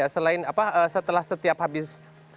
setelah setiap habis